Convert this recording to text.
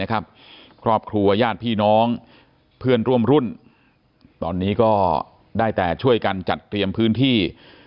ครอบครัวญาติพี่น้องเพื่อนร่วมรุ่นตอนนี้ก็ได้แต่ช่วยกันจัดเตรียมพื้นที่